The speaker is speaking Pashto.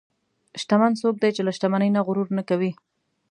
شتمن څوک دی چې له شتمنۍ نه غرور نه کوي.